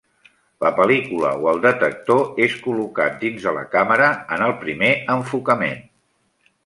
La pel·lícula o el detector és col·locat dins de la càmera en el primer enfocament.